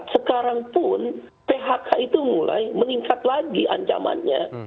sekarang pun phk itu mulai meningkat lagi ancamannya